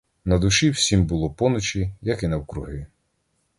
На душі всім було поночі, як і навкруги.